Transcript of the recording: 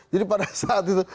jadi pada saat itu